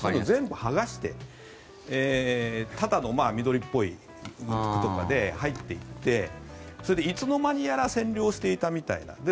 全部剥がしてただの緑っぽい軍服とかで入っていってそれでいつの間にやら占領していたみたいな。